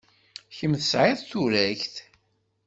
Kemm tesɛid turagt.